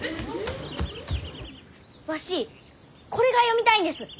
わしこれが読みたいんです。